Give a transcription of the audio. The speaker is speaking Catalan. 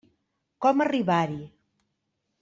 Com arribar-hi.